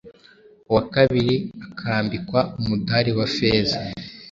uwa kabiri akambikwa umudari wa feza,